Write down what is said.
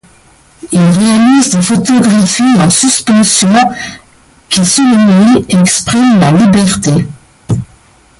Il réalise des photographies en suspension, qui selon lui, expriment la liberté.